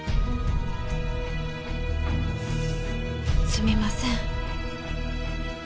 すみません。